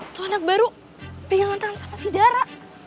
tuh anak baru pegangan tangan sama si dara